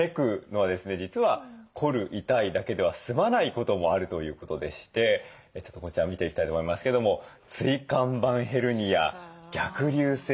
実は凝る痛いだけでは済まないこともあるということでしてちょっとこちらを見ていきたいと思いますけども椎間板ヘルニア逆流性食道炎誤